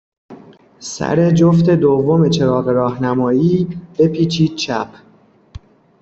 سر جفت دوم چراغ راهنمایی، بپیچید چپ.